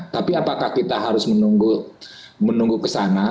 tapi apakah kita harus menunggu kesana